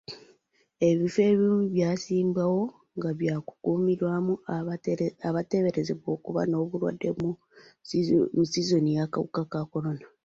Ebifo ebimu byassibwawo ng'eby'okukuumirwamu abateeberezebwa okuba n'obulwadde mu sizona y'akawuka ka kolona.